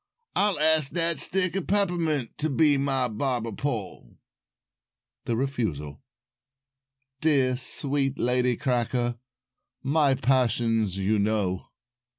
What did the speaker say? I'll ask that stick of peppermint To be my Barber pole." [Illustration: The Barber] THE REFUSAL "Dear, sweet Lady Cracker, My passions you know."